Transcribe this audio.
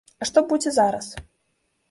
А што будзе зараз?